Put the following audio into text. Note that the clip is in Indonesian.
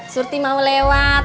surti mau lewat